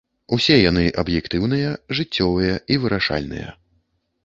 Усе яны аб'ектыўныя, жыццёвыя і вырашальныя.